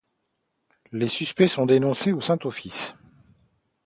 Les suspects sont dénoncés au Saint-Office.